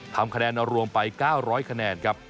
ทำคะแนนรวมไป๙๐๐คะแนนครับ